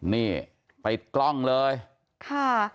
เนี่ยไปกล้องเลยค่ะ